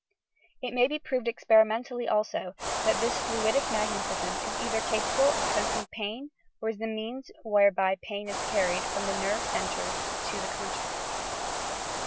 It may be proved experimentally, also, that this fluidic magnetism is cither capable of sensing pain or is the means whereby pain is carried from the nerve centrea to the consciousness.